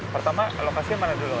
pertama lokasi mana dulu